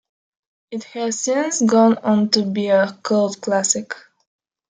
It has since gone on to be a cult classic.